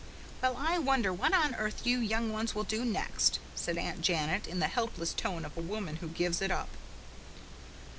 "Well, I wonder what on earth you young ones will do next," said Aunt Janet in the helpless tone of a woman who gives it up.